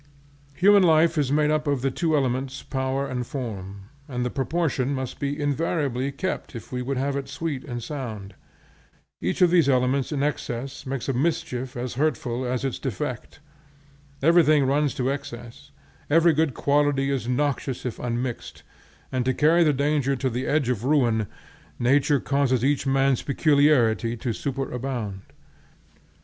Human life is made up of the two elements, power and form, and the proportion must be invariably kept if we would have it sweet and sound. Each of these elements in excess makes a mischief as hurtful as its defect. Everything runs to excess; every good quality is noxious if unmixed, and, to carry the danger to the edge of ruin, nature causes each man's peculiarity to superabound.